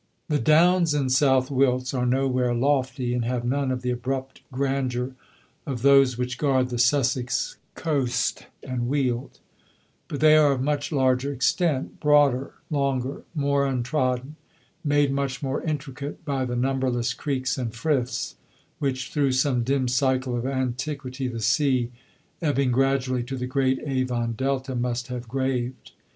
The downs in South Wilts are nowhere lofty, and have none of the abrupt grandeur of those which guard the Sussex coast and weald; but they are of much larger extent, broader, longer, more untrodden, made much more intricate by the numberless creeks and friths which, through some dim cycle of antiquity, the sea, ebbing gradually to the great Avon delta, must have graved.